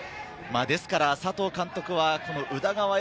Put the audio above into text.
ですから佐藤監督は宇田川瑛